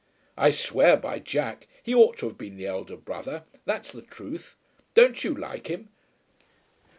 "I swear by Jack. He ought to have been the elder brother; that's the truth. Don't you like him?"